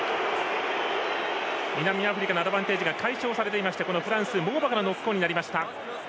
南アフリカのアドバンテージが解消されてフランス、モーバカがノックオンになりました。